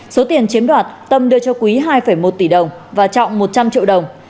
số tiền chiếm đoạt tâm đưa cho quý hai một tỷ đồng và trọng một trăm linh triệu đồng